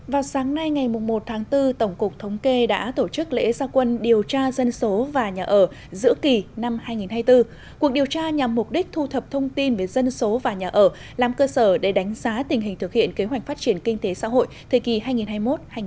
vào sáng nay ngày một tháng bốn tổng cục thống kê đã tổ chức lễ gia quân điều tra dân số và nhà ở giữa kỳ năm hai nghìn hai mươi bốn cuộc điều tra nhằm mục đích thu thập thông tin về dân số và nhà ở làm cơ sở để đánh giá tình hình thực hiện kế hoạch phát triển kinh tế xã hội thời kỳ hai nghìn hai mươi một hai nghìn ba mươi